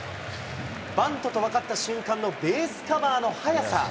バントと分かった瞬間のベースカバーの速さ。